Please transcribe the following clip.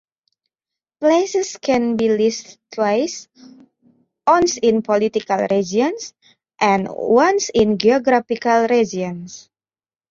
Places can be listed twice: once in "political regions" and once in "geographical regions".